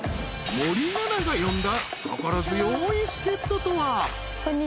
［森七菜が呼んだ心強い助っ人とは］